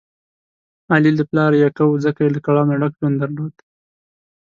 علي له پلاره یکه و، ځکه یې له کړاو نه ډک ژوند درلود.